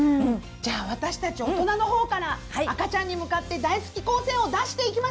じゃあ私たち大人の方から赤ちゃんに向かって大好き光線を出していきましょう！